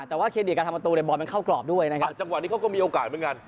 แต่ว่าเครดิตการทำประตูในบอลมันเข้ากรอบด้วยนะครับจังหวะนี้เขาก็มีโอกาสเหมือนกัน